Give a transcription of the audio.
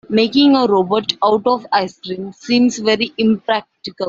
Making a robot out of ice cream seems very impractical.